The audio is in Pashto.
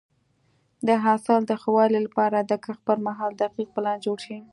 د حاصل د ښه والي لپاره د کښت پر مهال دقیق پلان جوړ شي.